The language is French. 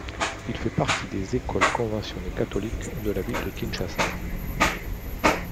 Il fait partie des écoles conventionnées catholiques de la ville de Kinshasa.